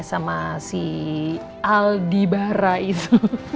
sama si aldi bara itu